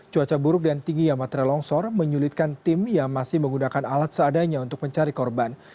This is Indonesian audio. cuaca buruk dan tingginya material longsor menyulitkan tim yang masih menggunakan alat seadanya untuk mencari korban